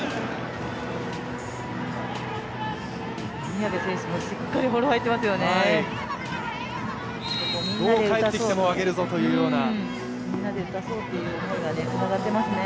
宮部選手もしっかりフォロー入っていますよね。